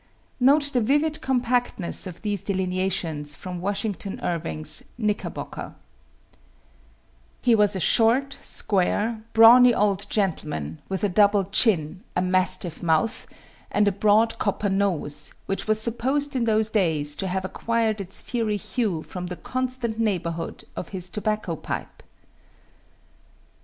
Note the vivid compactness of these delineations from Washington Irving's "Knickerbocker:" He was a short, square, brawny old gentleman, with a double chin, a mastiff mouth, and a broad copper nose, which was supposed in those days to have acquired its fiery hue from the constant neighborhood of his tobacco pipe.